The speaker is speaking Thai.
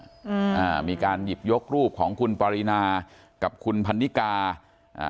อ่ามีการหยิบยกรูปของคุณปรินากับคุณพันนิกาอ่า